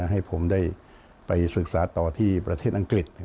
ให้ผมได้ไปศึกษาต่อที่ประเทศอังกฤษ